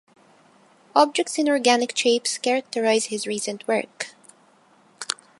Objects in organic shapes characterize his recent work.